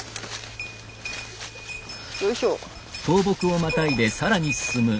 よいしょ。